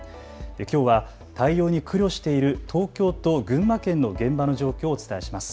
きょうは対応に苦慮している東京と群馬県の現場の状況をお伝えします。